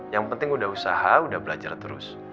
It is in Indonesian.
yang penting udah usaha udah belajar terus